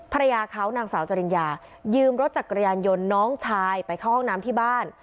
ภรรยาเขานางสาวจริญญายืมรถจักรยานยนต์น้องชายไปเข้าห้องน้ำที่บ้าน